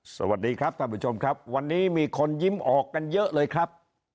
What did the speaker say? สวัสดีครับท่านผู้ชมครับวันนี้มีคนยิ้มออกกันเยอะเลยครับ